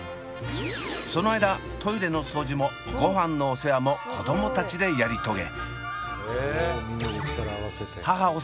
その間トイレの掃除もごはんのお世話も子どもたちでやり遂げ。